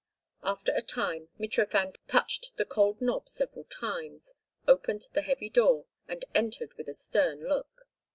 After a time, Mitrofan touched the cold knob several times, opened the heavy door, and entered with a stern look.